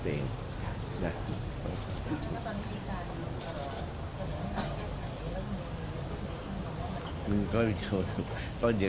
ต้องรับผิดชอบเอง